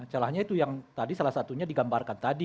celahnya itu yang tadi salah satunya digambarkan tadi